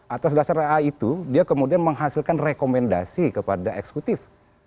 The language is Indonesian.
atas dasar ra itu dia kemudian menghasilkan rekomendasi kepada eksekutif